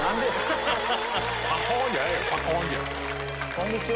「こんにちは！」